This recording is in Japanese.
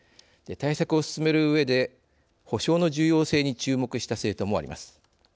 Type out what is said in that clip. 対策を進めるうえで補償の重要性に注目した政党もあります。